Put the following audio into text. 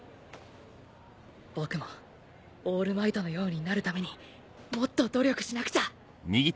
僕もオールマイトのようになるためにもっと努力しなくちゃ！